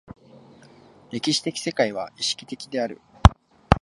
歴史的世界は意識的である。